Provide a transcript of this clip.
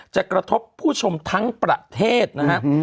กระทบผู้ชมทั้งประเทศนะครับ